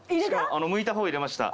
むいた方入れました。